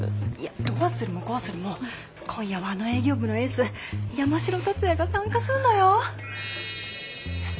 どうするもこうするも今夜はあの営業部のエース山城達也が参加するのよ！